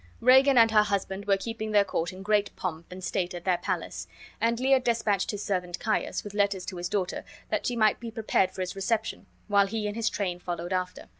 Regan and her husband were keeping their court in great pomp and state at their palace; and Lear despatched his servant Caius with letters to his daughter, that she might be prepared for his reception, while he and his train followed after.